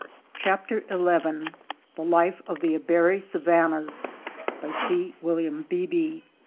CHAPTER XL THE LIFE OF THE ABARY SAVANNAS. (By C. William Beebe).